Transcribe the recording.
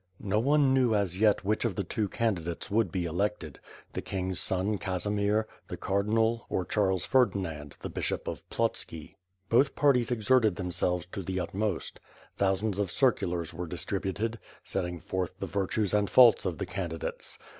No one knew as yet which of the two candidates would be elected, the' king's son Casimir, the Cardinal, or Charles Ferdinand, the bishop of Plotski. Both parties exerted themselves to the utmost. Thousands of circulars were distributed, setting forth the virtues and faults of the candidates.